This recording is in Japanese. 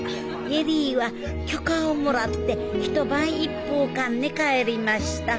恵里は許可をもらって一晩一風館に帰りました。